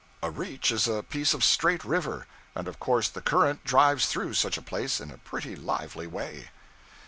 A 'reach' is a piece of straight river, and of course the current drives through such a place in a pretty lively way.